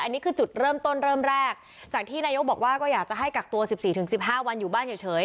อันนี้คือจุดเริ่มต้นเริ่มแรกจากที่นายกบอกว่าก็อยากจะให้กักตัว๑๔๑๕วันอยู่บ้านเฉย